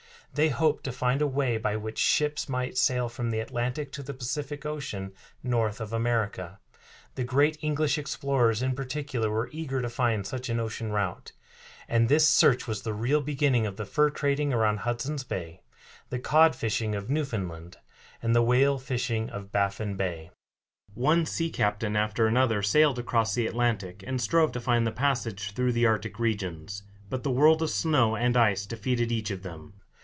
They hoped to find a way by which ships might sail from the Atlantic to the Pacific Ocean north of America. The great English explorers in particular were eager to find such an ocean route, and this search was the real beginning of the fur trading around Hudson's Bay, the cod fishing of Newfoundland, and the whale fishing of Baffin Bay. One sea captain after another sailed across the Atlantic, and strove to find the passage through the Arctic regions; but the world of snow and ice defeated each of them.